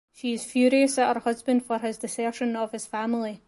She is furious at her husband for his desertion of his family.